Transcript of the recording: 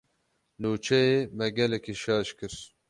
Nûçeyê, me gelekî şaş kir.